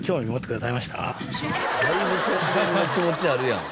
だいぶ宣伝の気持ちあるやん。